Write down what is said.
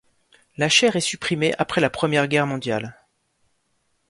La chaire est supprimée après la Première Guerre mondiale.